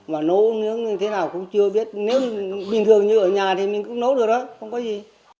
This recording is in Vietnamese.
và nấu nước thế nào cũng chưa biết nếu bình thường như ở nhà thì mình cũng nấu được đó không có gì